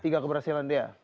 tiga keberhasilan dia